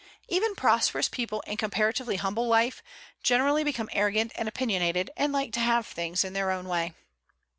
Even prosperous people in comparatively humble life generally become arrogant and opinionated, and like to have things in their own way.